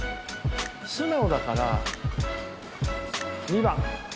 素直だから２番。